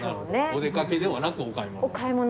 お出かけではなくお買い物。